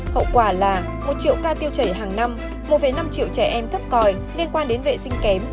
hậu quả là một triệu ca tiêu chảy hàng năm một năm triệu trẻ em thấp còi liên quan đến vệ sinh kém